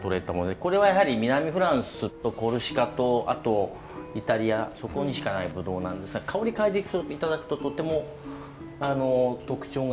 これはやはり南フランスとコルシカ島あとイタリアそこにしかないぶどうなんですが香り嗅いで頂くととても特徴があると思うんですよね。